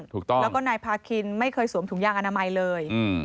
ถูกต้องแล้วก็นายพาคินไม่เคยสวมถุงยางอนามัยเลย